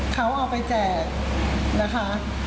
เขาเอาไปแจกนะคะ